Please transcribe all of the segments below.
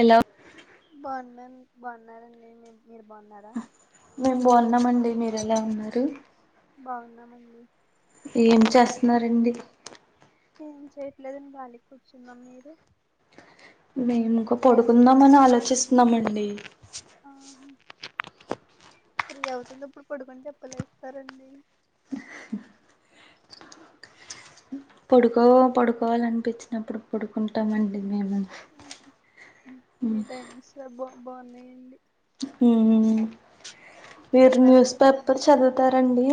ఎలో బాగున్నాన్ బాగున్నారంండి మీ మీరు బాగున్నారా మేమ్ బాగున్నామండి మీ ఎలా ఉన్నారు బాగున్నామండి ఏం చేస్తున్నారండి ఏం చేయట్లేఅండి కాలిగా కూర్చున్నాం మీరు మేము ఇకా పడుకుందామ అని ఆలోచిస్తున్నామండి సర అవుతుంది ఇప్పుడు కొడుకుని చెప్పలే ఇస్తారండి [unintelligible] పడుకో పడుకోవాలనిపించినప్పుడు పడుకుంటామండి మేము మీతా ని బ బాన్నయండి ఉమ్ మీరు న్యూస్ తిన్నారండి పేపర్ భోంచే చదువుతారండి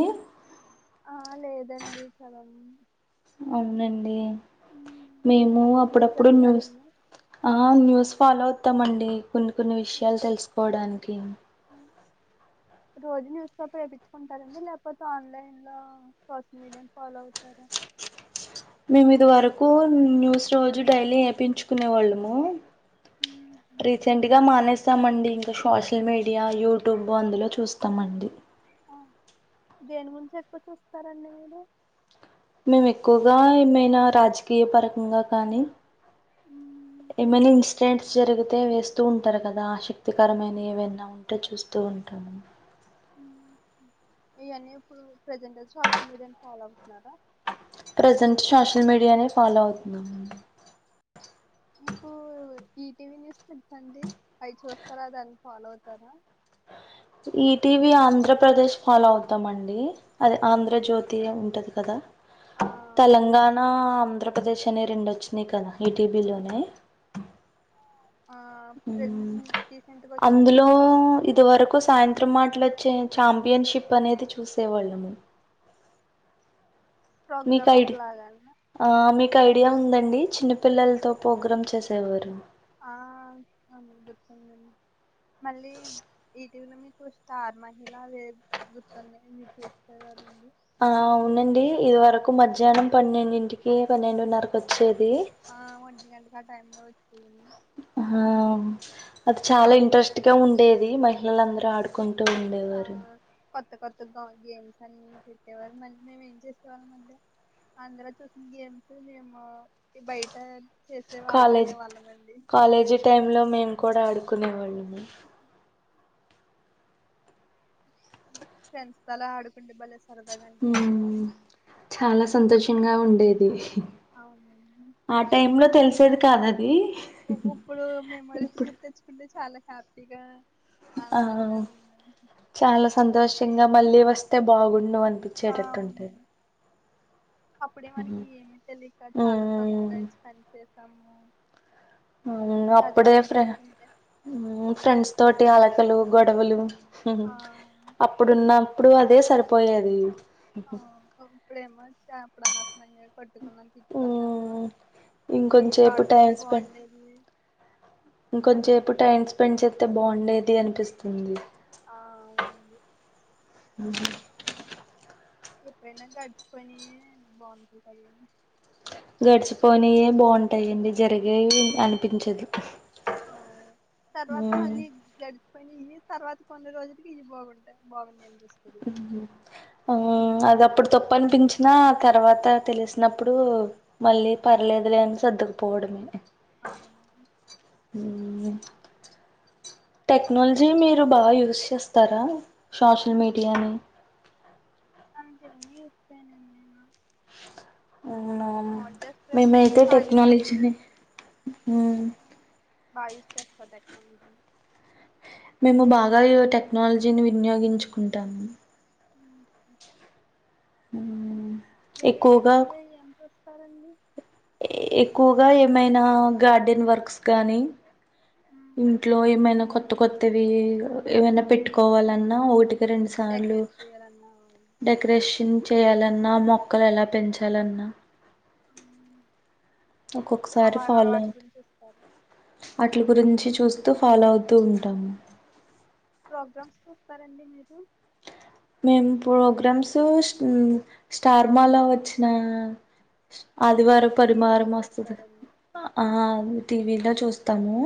ఆ లేదండి చదవను అవునండి మేము మీరు అప్పుడప్పుడు న్యూస్ చదువుతారండి ఆ న్యూస్ ఫాలో అవుతామండి కొన్ని కొన్ని ఉమ్, విషయాలు తెలుసుకోవడానికి రోజు న్యూస్ పేపర్ వేయించుకుంటారండి లేకపోతే ఆన్లైన్ లో సోషల్ మీడియా ఫాలో అవుతార మేమి ఇది వరకు న్యూస్ రోజు డైలీ వేపంచుకునే వాళ్ళము ఉహు రీసెంట్ గా మానేస్ చూస్తామండి ఇంకా సోషల్ మీడియా యూట్యూబ్ అందులో చూస్తామండి దేని గురించి ఎక్కువ చూస్తారండి మీరు మేము ఎక్కువగా ఏమైనా రాజకీయ పరకంగా కానీ మీరు ఏమైనా ఇన్సిడెంట్స్ జరిగితే వేస్తూ ఉంటారు కదా ఆసక్తికరమైన ఏవనా ఉంటే చూస్తూ ఉంటాము ఇవన్నీ ఇప్పుడు ప్రెజెంట్ సోషల్ మీడియాని ఫాలో అవుతున్నారా ప్రజెంట్ సోషల్ మీడియానే ఫాలో అవుతున్నాము మీకు ఈటీవీ న్యూస్ తెలుసా అండి అవి చూస్తారా దాన్ని ఫాలో అవుతారా ఈటీవీ ఆంధ్రప్రదేశ్ ఫాలో అవుతామండి అది ఆంధ్రజ్యోతి ఉంటది కదా ఆ తెలంగాణ ఆంధ్ర పదర్శ అనే రెండు వచ్చిందియి కదా ఈటీబీలోనే ఆ రీసెంట్గా అందులో వచ్చిందండి ఇది వరకు సాయంత్రం మాత్ర మాటలు వచ్చే చాంపియన్షిప్ అనేది చూసేవాళ్ళము మీకు ఐడి ప్రోగ్రామ్స్లాగాలన్నా ఆ మీకు ఐడియా ఉందండి చిన్నపిల్లలతో ప్రోగ్రామ్ చేసేవారు ఆ అ గుర్తుందండి మళ్ళీ ఇటీవల మీకు స్టార్ట్ మహిళ వేరు గుర్తుఉనాయా చూస్తే కదండి ఆ ఉవునండి ఇదివరకు మధ్యాహ్నం పన్నెండింటికి పన్నెండున్నరకు వచ్చేది ఆ వొంటి గంట టైమ్ లో వచి ఆ అది చాలా ఇంట్రెస్ట్ గా ఉండేది మహిళలుందరూ ఆడుకుంట ఆ ఉండేవారు కొత్త కొత్త గేమ్స్ అన్ని పెట్టేవారు మళ్ళీ మేము ఏం చేసేవాళ్ళం అంటే అందలో చూసిన గేమ్స్ మేము బయట చేసేవి ఆడుకునే కాలేజీ వాళ్ళం అండి కాలేజీ టైమ్ లో మేము కూడా ఆడుతం కునే వాళ్ళము ఫ్రెండ్స్ తలా ఆడుకుండి బలేె చాలా సంతోషంగా ఉండేది అవునండి ఆ టైమ్ లో తెలుసు సోద్ కాద్ అది ఇప్పుడు మెమోరీస్ గుర్తు తెచ్చుకుంటే చాలే హ్యాపీగా ఆవ్ ఆనందంగా ఉందండి చాలా సంతోషంగా మళ్ళీ వస్తే బాగుండు అన్ ఆ, అనిపించేటట్ ఉంటద్ అవునండి అప్పుడే మనకి ఏమిీ తెలియక చాలా తక్కువ టైమ్ స్పెండ్ చేసాము హు అదే అప్పుడే అప్పుడు ఫ్రై తెలిసుంటే అప్పుడే ఫ్రెండ్స్ తోటి అలకలు గొడవలు ఆ అప్పుడున్నప్పుడు అదే సరిపోయేది ఆ ఇప్పుడేమో చాప్డ్ నాస్ మంజాకు పట్టుకున్నాం, తిట్టుకున్నాము, ఉమ్ కొంచెపు ఇంకొంచేపు టైం ఆడుకుంటే స్పెండ్ బాగుండేది అనిపిస్తుంది. ది అనిపిస్తుంది ఆ అవునండి హు ఎప్పుడునా గర్చ పని బాగుంట గడిచిపోయినయి బాగుంటాయిండి జరిగి అగే అనిపించదు ఆ కొన్ని ఇ తర్వాత కొన్ని రోజులకి ఇవి బాగుంటాయి బాగుంది ఎందుకు హు అది అప్పుడు తప్పు అనిపించినా తర్వాత తెలుస్ నప్పుడు మళ్ళీ పర్లేదులే అని సర్దుక్ పోవడమే అవునండి హ్మ్ టెక్నాలజీ మీరు బాగా యూస్ చేస్తారా సోషల్ మీడియాని అంతేమీ యూస్ చేయన్ నేను అవునా మాములు జస్ట్ మేమైతే ఖాళీ ఉన్నప్పుడు టెక్నాలజీని హ్మ్ అందుకు మేము బాగా ఈ టెక్నాలజీని వినియోగించుకుంటాము. మ్మ్ ఇ ఎక్కువగా ఎకు [unintelligible] పదండి ఎక్కువగా ఏమైనా గార్డెన్ వర్క్స్ గానీ మ్మ్. ఇంట్లో ఏమైనా కొత్త కొత్తవి ఏమైనా పెట్టుకోవాలన్నా ఒకటి. రెండు సార్లు డెకరేట్ చేయాలన్నా డెకరేషన్ చేయాలని వున్న మొక్కలెలా పెంచాలన్నా మ్మ్. ఆ ఒక్కొక్కసారి వా- ఆ ఫాలో వాటి అవుత గురించి చూస్తారా అట్లు గురించి చూస్తూ ఫాలో అవుతూ ఉంటాము ప్రోగ్రామ్స్ చూస్తారండి మీరు మేము ప్రోగ్రామ్స్ స్టార్మాలో వచ్చినా అది వేర టీవీలో పరిమాారం వస్తుది చూస్తారండి ఆ టీవ చూస్తాము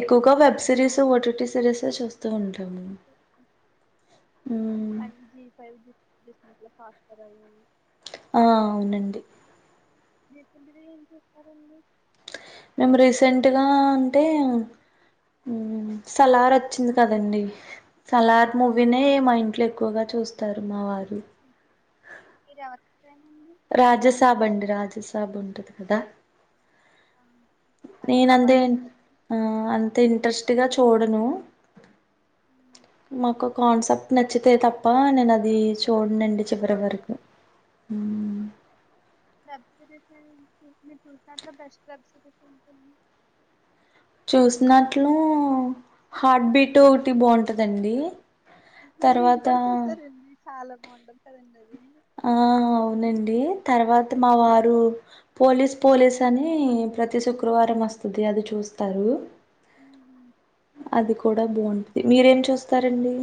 ఎక్కువగా వెబ్ సిరస్ ఓటి సిరస్ చూస్తూ ఉంటాం సమ ఫైవ ఇట్ ఫాస్టర్ అయ్యంది ఆ అవునండి మీ పగర ఏం చేస్తారండి మేము రీసెంట్గా అంటే సలార్ వచ్చింది కదండి ఆ, సలాార్ మూవీ మా ఇంట్లో ఎక్కువగా చూస్తారు మా వాళ్ళు మీరెవరు అ రాజసాబ్ అండి రాజసాబ ఉంటది కదా అది నేన్ అంతే ప్రభాస్ ఆ అంత ఇంట్రెస్ట్గా చూడను ఉమ్, మాకు కాన్సెప్ట్ నచ్చితే తప్ప నేను అది చూడ న్నం చిపురవరకు చూడదండి అ వెబ్ సిరీస్ ఏ మీరు చూసినాట్లో బెస్ట్ వెబ్ సిరీస్ ఏంటంది చూసినట్లు హార్ట్ బీట్ ఒకటి బాగుంటదండి ఇది మీరు తర్వాత కూడా చూసారండి చాలా బాగుంటది కదండి అది ఆ అవునండి తర్వాత మా ఉమ్, వారు పోలీస్ పోలీస్ అని ప్రతి శుక్రవారం వస్తుది అది చూస్తారు హ అది కూడా బాగుంటది మీరేం చూస్తారండి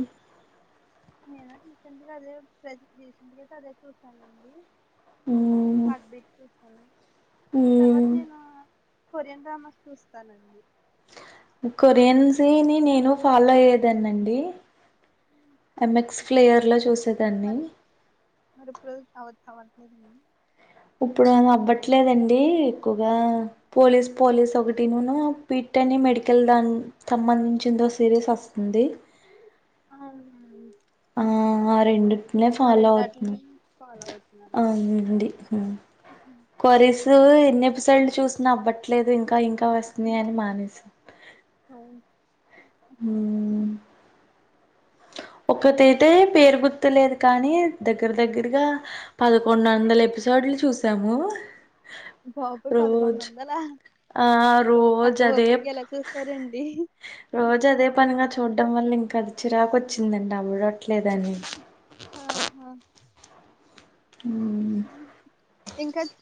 నేను రీసెంట్ గా అదే రీసెంట్గాతే అదే చూసానండి మ్మ్ హార్ట్ బ మ్మ్ పర్వతని కొరియన్ డ్రామాస్ చూస్తానండి కొరియన్స్ని నేను ఫాలో అయ్యేదాన్ని అండి ఎమ్ఎక్స్ ఫ్లేయర్ లో చూస్త మరి మరి ప్ర అవత్ హవాల సర ఇప్పుడు అ అవ్వట్లేదండి ఎక్కువగా పోలీస్ పోలీస్ ఒకటి ను పీట్ని మెడికల్ దా సంబంధించిందో సీరియస్ వస్తుంది అవును ఆ రెండింటినే ఫాలో అవుతున్నా రెండాటిని ఫాలో అవుతున్నారు అవునండి కొరసు ఎన్ని ఎపిసోడ్లు చూసిన అవ్వట్లేదు ఇం ఇంకా ఇంకా వస్తుంది అని మానేసం అవును ఉమ్మ్. ఒకతైతే పేరు గుర్తులేదు కానీ దగ్గర దగ్గరగా పదకొండు వందల ఎపిసోడ్లు చూసాము. బాబోయ్ పదకొండు రోజు వందల ఆ అంత రోజు అదే ఓపిగ్గా ఎలా చూస్తారండి. చూడడం వల్ల ఇంకా అది చ్. చిరాకోచ్చిందంట అవిడ అవట్లేదని. ఆహా ఉమ్. ఇంకా చ్.